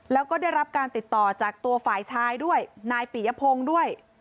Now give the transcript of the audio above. แล้วก็ได้รับการติดต่อจากตัวฝ่ายชายด้วยนายปียพงศ์ด้วย